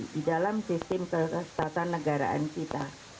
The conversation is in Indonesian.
di dalam sistem kestatan negaraan kita